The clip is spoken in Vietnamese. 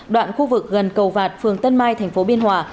đoạn khu vực gần cầu vạt phường tân mai thành phố biên hòa